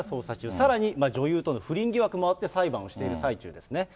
さらに女優との不倫疑惑もあって、裁判をしている最中ですね。